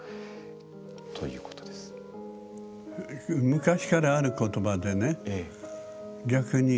昔からある言葉でね